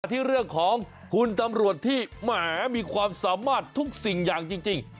ที่เรื่องของคุณตำรวจที่แหมมีความสามารถทุกสิ่งอย่างจริง